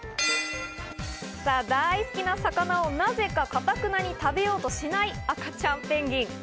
大好きな魚をなぜかかたくなに食べようとしない赤ちゃんペンギン。